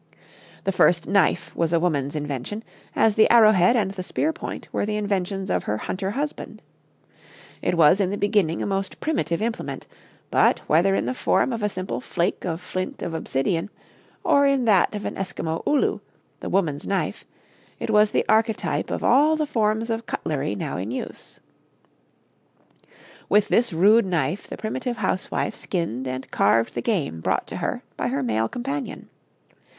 The first knife was a woman's invention, as the arrow head and the spear point were the inventions of her hunter husband. It was in the beginning a most primitive implement; but, whether in the form of a simple flake of flint of obsidian, or in that of an Eskimo ulu the woman's knife it was the archetype of all the forms of cutlery now in use. With this rude knife the primitive housewife skinned and carved the game brought to her by her male companion.